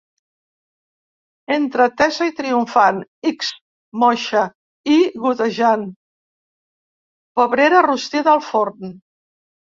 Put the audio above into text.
Entra tesa i triomfant, ix moixa i gotejant: pebrera rostida al forn.